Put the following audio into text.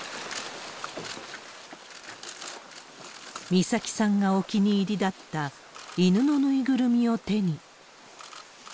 美咲さんがお気に入りだった犬の縫いぐるみを手に。